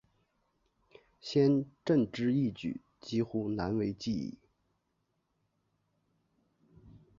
先正之义举几乎难为继矣。